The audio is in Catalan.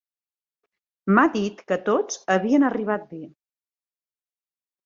M'ha dit que tots havien arribat bé.